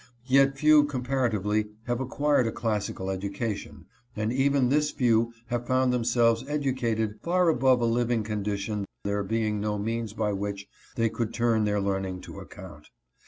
Yet few, comparatively, have acquired a classical education; and even this few have found themselves educated far above a living condition, there being no methods by which they could turn their learning to account.